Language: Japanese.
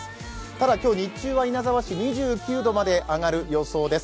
ただ今日、日中は稲沢市、２９度まで上がる予想です。